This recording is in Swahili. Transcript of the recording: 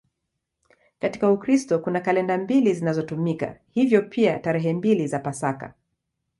Katika Ukristo kuna kalenda mbili zinazotumika, hivyo pia tarehe mbili za Pasaka.